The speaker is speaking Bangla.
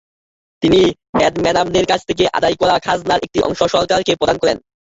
তিনি হেডম্যানদের কাছ থেকে আদায় করা খাজনার একটি অংশ সরকারকে প্রদান করেন।